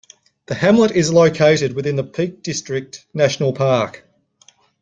The hamlet is located within the Peak District National Park.